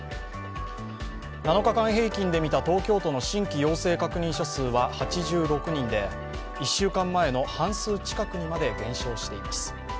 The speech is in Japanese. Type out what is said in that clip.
７日間平均で見た東京都の新規陽性確認者数は８６人で１週間前の半数近くにまで減少しています。